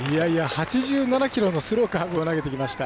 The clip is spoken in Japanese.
８７キロのスローカーブを投げてきました。